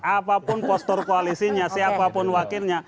apapun postur koalisinya siapapun wakilnya